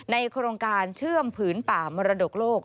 โครงการเชื่อมผืนป่ามรดกโลก